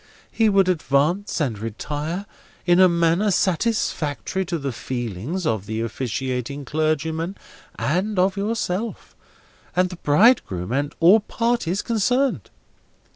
He would advance and retire in a manner satisfactory to the feelings of the officiating clergyman, and of yourself, and the bridegroom, and all parties concerned.